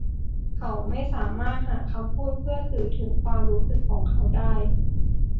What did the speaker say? เขาไม่สามารถหาคำพูดเพื่อสื่อถึงความรู้สึกเขาได้